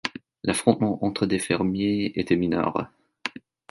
L'affrontement entre des fermiers et des mineurs.